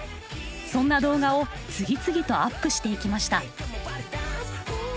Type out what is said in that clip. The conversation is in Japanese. そんな動画を次々とアップしていきました。